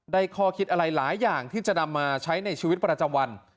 ข้อคิดอะไรหลายอย่างที่จะนำมาใช้ในชีวิตประจำวัน